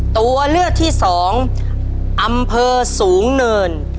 ตัวเลือกที่สองอำเภอสูงเนิน